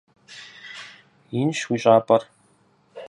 Инщ уи щӀапӀэр.